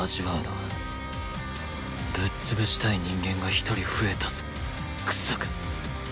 ぶっ潰したい人間が１人増えたぜクソが。